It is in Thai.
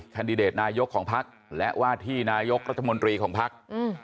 แดดิเดตนายกของพักและว่าที่นายกรัฐมนตรีของภักดิ์